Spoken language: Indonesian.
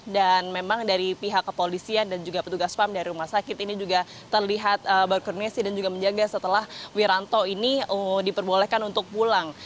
dan memang dari pihak kepolisian dan juga petugas spam dari rumah sakit ini juga terlihat berkurnesi dan juga menjaga setelah wiranto ini diperbolehkan untuk pulang